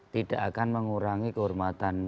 tidak akan mengurangi kehormatan